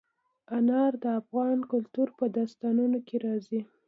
انار د افغان کلتور په داستانونو کې راځي.